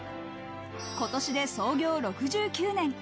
今年で創業６９年。